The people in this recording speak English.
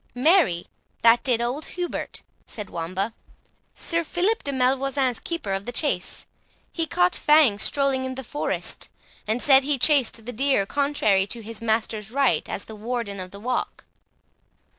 "Marry, that did old Hubert," said Wamba, "Sir Philip de Malvoisin's keeper of the chase. He caught Fangs strolling in the forest, and said he chased the deer contrary to his master's right, as warden of the walk."